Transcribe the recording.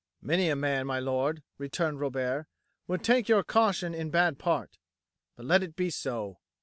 "Many a man, my lord," returned Robert, "would take your caution in bad part. But let it be so.